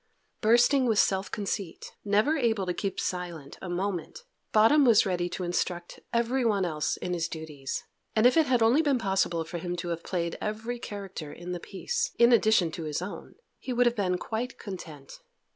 Bursting with self conceit, never able to keep silent a moment, Bottom was ready to instruct everyone else in his duties, and if it had only been possible for him to have played every character in the piece, in addition to his own, he would have been quite content.